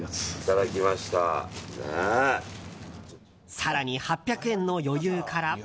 更に８００円の余裕から。